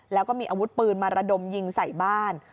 แล้วก็มีอาวุธปืนมาระดมยิงใส่บ้าน